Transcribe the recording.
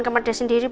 kamar dia sendiri